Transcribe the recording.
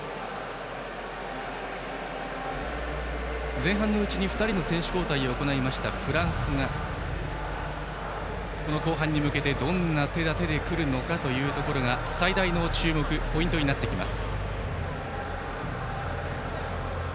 前半のうちに２人の選手交代を行ったフランスが後半に向けてどんな手立てでくるかが最大の注目ポイントになってきます。